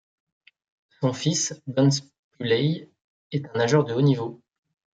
Son fils Bence Pulai est un nageur de haut niveau.